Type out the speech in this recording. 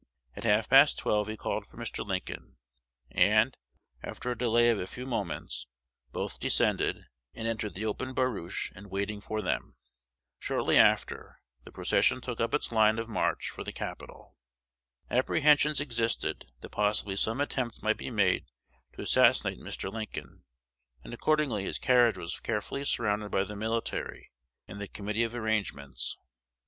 At half past twelve he called for Mr. Lincoln; and, after a delay of a few moments, both descended, and entered the open barouche in waiting for them. Shortly after, the procession took up its line of march for the Capitol. Apprehensions existed, that possibly some attempt might be made to assassinate Mr. Lincoln; and accordingly his carriage was carefully surrounded by the military and the Committee of Arrangements.